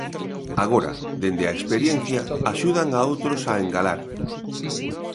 Agora, dende a experiencia axudan a outros a engalar.